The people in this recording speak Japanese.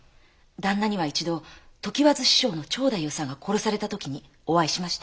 旦那には一度常磐津師匠の蝶太夫さんが殺された時にお会いしました。